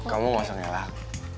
kamu langsung elak